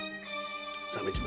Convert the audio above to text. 鮫島